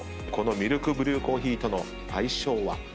このミルクブリューコーヒーとの相性は。